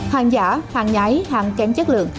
hàng giả hàng nhái hàng kém chất lượng